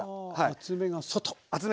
厚めが外。